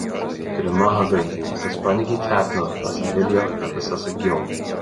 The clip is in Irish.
Go raibh maith agaibh agus bainigí taithneamh as an bhfilíocht agus as an gceol.